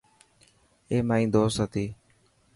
اي مائي دوست هتي.